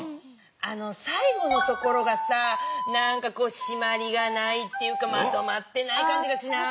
最後のところがしまりがないっていうかまとまってない感じがしない？